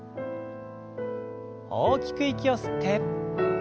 大きく息を吸って。